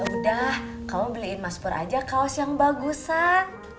ya udah kamu beliin mas pur aja kaos yang bagus san